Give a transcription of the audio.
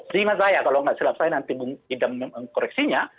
sehingga saya kalau tidak silap saya nanti mengidam koreksinya